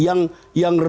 yang rutin yang resmi